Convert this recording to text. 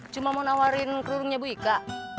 cuma mau nawarin kerunnya bu ika